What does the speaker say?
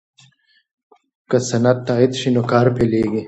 که سند تایید شي نو کار پیلیږي.